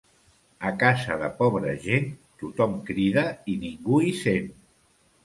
A casa de pobra gent, tothom crida i ningú hi sent.